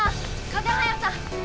風早さん！